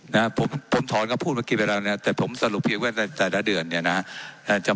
นะฮะผมผมมากินไปแล้วเนี่ยแต่ผมสรุปว่าในแต่ละเดือนเนี่ยนะฮะ